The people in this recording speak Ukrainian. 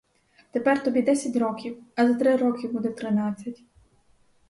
Тепер тобі десять років, а за три роки буде тринадцять.